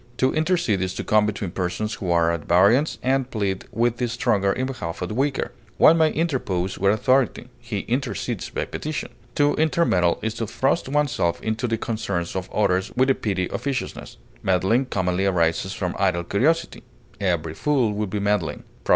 To intercede is to come between persons who are at variance, and plead with the stronger in behalf of the weaker. One may interpose with authority; he intercedes by petition. To intermeddle is to thrust oneself into the concerns of others with a petty officiousness; meddling commonly arises from idle curiosity; "every fool will be meddling," _Prov.